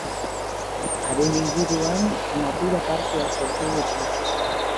Haren inguruan, natura parkea sortu dute.